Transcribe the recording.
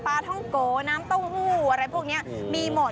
ปลาท่องโกน้ำเต้าหู้อะไรพวกนี้มีหมด